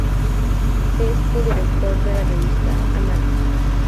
Es co-director de la revista "Annales".